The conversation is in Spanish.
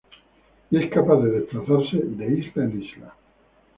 Y es capaz de desplazarse de isla en isla.